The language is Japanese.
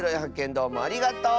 どうもありがとう！